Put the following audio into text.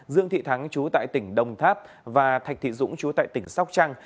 dương thị thắng chú tại tỉnh đồng tháp và thạch thị dũng chú tại tỉnh sóc trăng